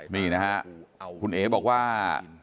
มีนะครับคุณเอ๋ยังบอกว่า